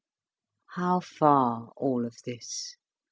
How far all of this!